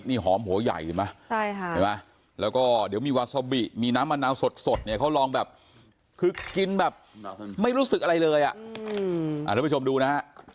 สดเนี่ยเขาลองแบบคือกินแบบไม่รู้สึกอะไรเลยอ่ะดูนะ